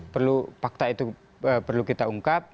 perlu fakta itu perlu kita ungkap